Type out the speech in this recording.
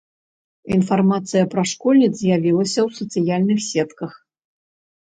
Інфармацыя пра школьніц з'явілася ў сацыяльных сетках.